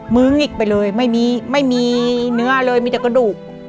ื้องิกไปเลยไม่มีไม่มีเนื้อเลยมีแต่กระดูก